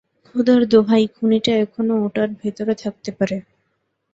খোদার দোহাই, খুনিটা এখনো ওটার ভেতরে থাকতে পারে।